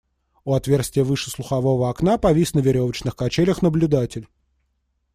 У отверстия выше слухового окна повис на веревочных качелях наблюдатель.